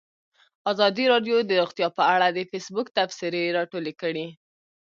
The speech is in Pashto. ازادي راډیو د روغتیا په اړه د فیسبوک تبصرې راټولې کړي.